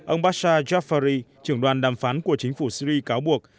ông bashar jafari trưởng đoàn đàm phán của chính phủ syri cáo buộc